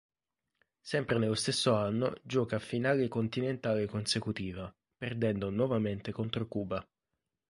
Sempre nello stesso anno gioca finale continentale consecutiva, perdendo nuovamente contro Cuba.